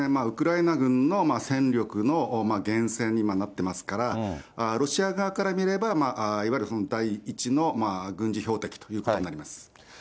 ウクライナ軍の戦力の源泉に今、なってますから、ロシア側から見れば、いわゆる第１の軍事標的ということになると思います。